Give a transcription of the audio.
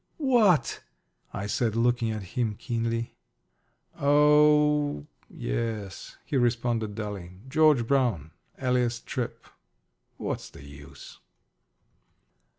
"What!" I said, looking at him keenly. "Oh yes," he responded, dully. "George Brown, alias Tripp. What's the use?"